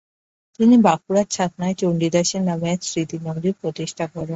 তিনি বাঁকুড়ার ছাতনায় চণ্ডীদাসের নামে এক স্মৃতিমন্দির প্রতিষ্ঠা করেন।